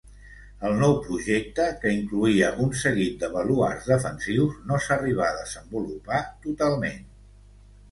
El nou projecte, que incloïa un seguit de baluards defensius, no s'arribà a desenvolupar totalment.